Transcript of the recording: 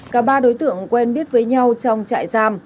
cả ba đối tượng quen biết với nhau trong trại giam